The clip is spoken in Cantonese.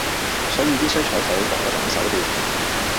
所以必須採取嗰種手段